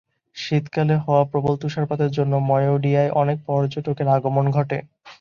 শীতকালে হওয়া প্রবল তুষারপাতের জন্য মায়োডিয়ায় অনেক পর্যটকের আগমন ঘটে।